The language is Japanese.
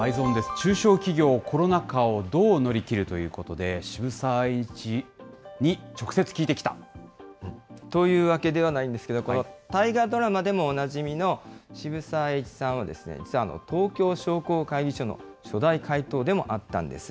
中小企業、コロナ禍をどう乗り切るということで、というわけではないんですけど、この大河ドラマでもおなじみの渋沢栄一さんは、実は東京商工会議所の初代会頭でもあったんです。